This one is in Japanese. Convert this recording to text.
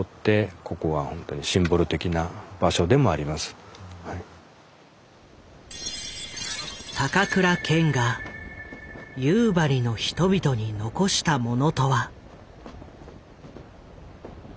そういった意味でも高倉健が夕張の人々に残したものとは。